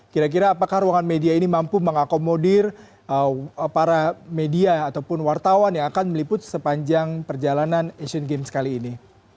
kira kira apakah ruangan media ini mampu mengakomodir para media ataupun wartawan yang akan meliput sepanjang perjalanan asian games kali ini